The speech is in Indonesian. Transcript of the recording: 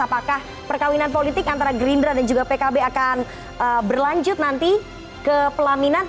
apakah perkawinan politik antara gerindra dan juga pkb akan berlanjut nanti ke pelaminan